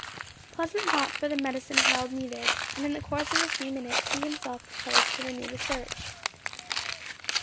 Pleasant thoughts were the medicine Harold needed, and in the course of a few minutes he himself proposed to renew the search.